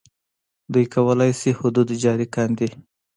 دوی کولای شي حدود جاري کاندي.